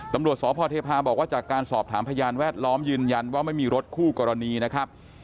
ตำรวจสพเทพาบอกว่าจากการสอบถามพยานแวดล้อมยืนยันว่าไม่มีรถคู่กรณีนะครับ